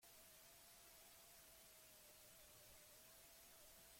Hasiera mailako galdera asko zegoen.